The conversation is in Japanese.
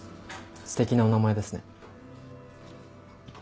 すてきなお名前ですね。